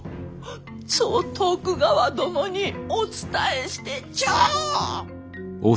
そう徳川殿にお伝えしてちょう。